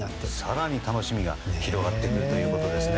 更に楽しみが広がってくるということですね。